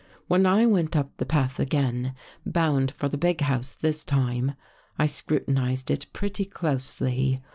" When I went up the path again, bound for the big house this time, I scrutinized it pretty closely.